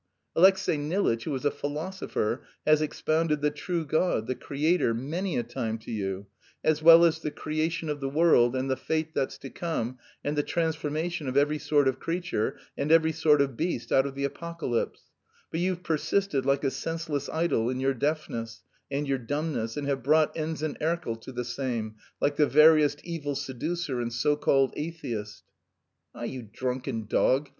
Alexey Nilitch, who is a philosopher, has expounded the true God, the Creator, many a time to you, as well as the creation of the world and the fate that's to come and the transformation of every sort of creature and every sort of beast out of the Apocalypse, but you've persisted like a senseless idol in your deafness and your dumbness and have brought Ensign Erkel to the same, like the veriest evil seducer and so called atheist...." "Ah, you drunken dog!